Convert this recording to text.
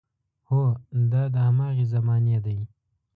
هو، دا د هماغې زمانې دی.